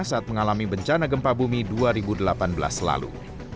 saat mengalami bencana gempa bumi dua ribu delapan belas lalu